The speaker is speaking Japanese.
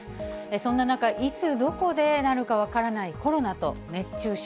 そんな中、いつ、どこでなるか分からないコロナと熱中症。